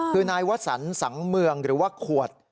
คือนายวสันสังเมืองหรือว่าขวด